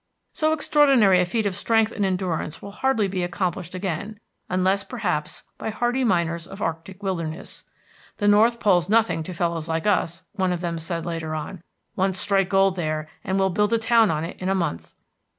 So extraordinary a feat of strength and endurance will hardly be accomplished again unless, perhaps, by hardy miners of the arctic wilderness. "The North Pole's nothing to fellows like us," one of them said later on; "once strike gold there, and we'll build a town on it in a month."